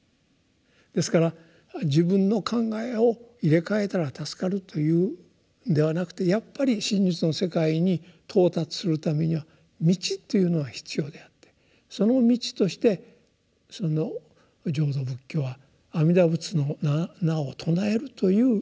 ですから自分の考えを入れ替えたら助かるというんではなくてやっぱり真実の世界に到達するためには道というのが必要であってその道として浄土仏教は阿弥陀仏の名を称えるという道を教えたわけですね。